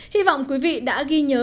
hi vọng quý vị đã ghi nhớ